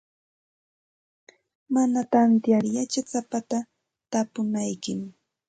Mana tantiyar yachasapata tapunaykim.